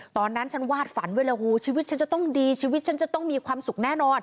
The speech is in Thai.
ตอนนั้นฉันวาดฝันเวลาหูชีวิตฉันจะต้องดีชีวิตฉันจะต้องมีความสุขแน่นอน